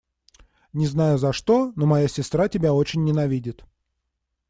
Не знаю за что, но моя сестра тебя очень ненавидит.